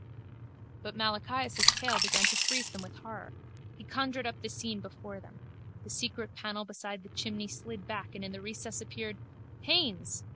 But Malachias' tale began to freeze them with horror. He conjured up the scene before them. The secret panel beside the chimney slid back and in the recess appeared... Haines!